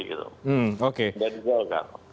jadi saya tidak mau